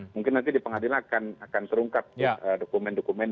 mungkin nanti di pengadilan akan terungkap dokumen dokumen